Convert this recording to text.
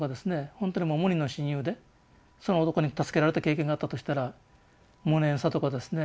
本当にもう無二の親友でその男に助けられた経験があったとしたら無念さとかですね